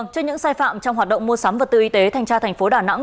trên những sai phạm trong hoạt động mua sắm vật tư y tế thành tra thành phố đà nẵng